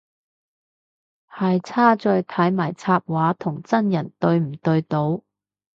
係差在睇埋插畫同真人對唔對到